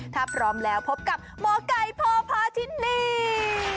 ถ้าพร้อมแล้วพบกับหมอไก่พ่อพาทินี